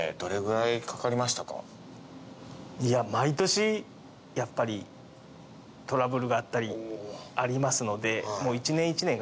いや毎年やっぱりトラブルがありますので。